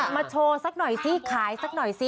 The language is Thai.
โชว์สักหน่อยสิขายสักหน่อยสิ